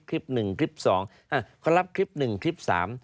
คลิปหนึ่งคลิปสองอ่ะเขารับคลิปหนึ่งคลิปสาม